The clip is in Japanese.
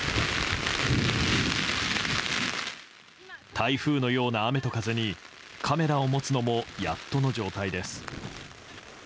台風のような雨と風にカメラを持つのもやっとの状態です。